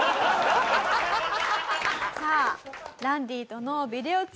さあランディとのビデオ通話